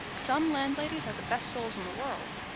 Some Landladies are the best souls in the world.